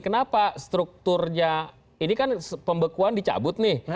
kenapa strukturnya ini kan pembekuan dicabut nih